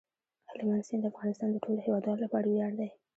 هلمند سیند د افغانستان د ټولو هیوادوالو لپاره ویاړ دی.